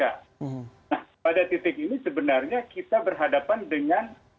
nah pada titik ini sebenarnya kita berhadapan dengan